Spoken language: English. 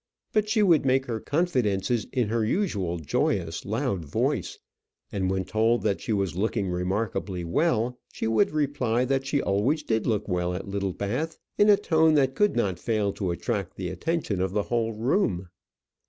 But she would make her confidences in her usual joyous, loud voice; and when told that she was looking remarkably well, she would reply that she always did look well at Littlebath, in a tone that could not fail to attract the attention of the whole room.